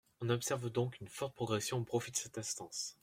On observe donc une forte progression au profit de cette instance.